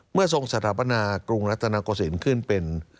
เมื่อทรงสถาปนากรุงรัตนกษิณขึ้นเป็น